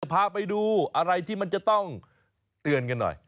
พาไปดูอะไรที่มันจะต้องเตือนกันหน่อย